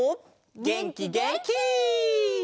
げんきげんき！